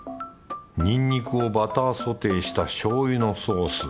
ニンニクをバターソテーした醤油のソース。